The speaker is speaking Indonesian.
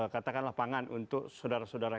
katakanlah pangan untuk sodara sodara